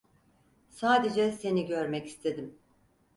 Sadece seni görmek istedim.